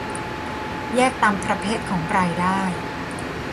แยกตามประเภทของรายได้